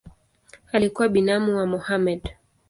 Alikuwa binamu wa Mohamed.